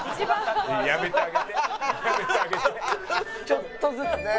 「ちょっとずつね」